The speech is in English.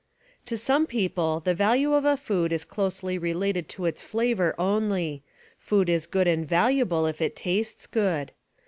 To some people the value of a food is closely related to its flavor only; food is good and valuable if it tastes good.